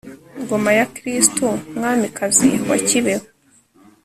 ngoma ya kristu, mwamikazi wa kibeho